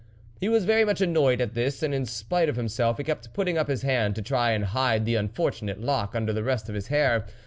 He was very much annoyed at this, and, in spite of himself, he kept putting up his hand to try and hide the unfortunate lock under the rest of his hair.